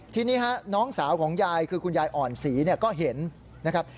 ทีนี้ฮะน้องสาวของยายคือคุณยายอ่อนศรีเนี่ยก็เห็นนะครับ